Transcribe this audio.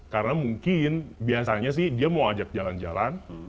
karena mungkin biasanya sih dia mau ajak jalan jalan